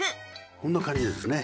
こんな感じですね。